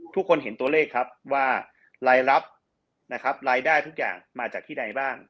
ทุกคนเห็นตัวเลขครับว่ารายรับนะครับรายได้ทุกอย่างมาจากที่ใดบ้าง